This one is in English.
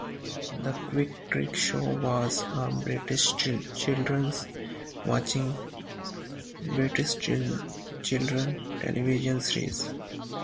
The Quick Trick Show was a British children's television series.